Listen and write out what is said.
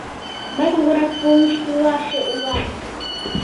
Мый кугурак полышкылаше улам